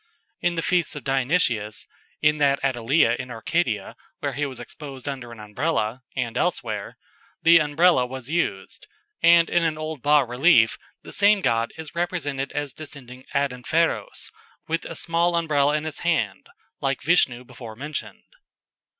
In the feasts of Dionysius (in that at Alea in Arcadia, where he was exposed under an Umbrella, and elsewhere) the Umbrella was used, and in an old has relief the same god is represented as descending ad inferos with a small Umbrella in his hand, like Vishnu before mentioned.